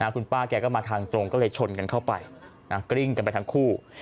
คุณป้าแกก็มาทางตรงก็เลยชนกันเข้าไปกริ้งกันไปทั้งคู่